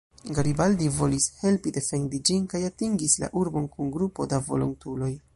Garibaldi volis helpi defendi ĝin kaj atingis la urbon kun grupo da volontuloj.